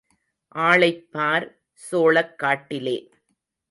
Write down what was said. ஆளைப் பார் சோளக்காட்டிலே.